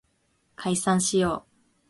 解散しよう